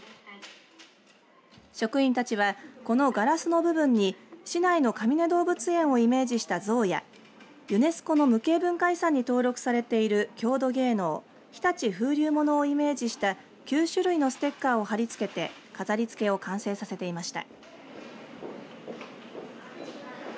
職員たちはこのガラスの部分に市内のかみね動物園をイメージしたゾウやユネスコの無形文化遺産に登録されている郷土芸能、日立風流物をイメージした９種類のステッカーを貼り付けて飾りつけを完成させていました。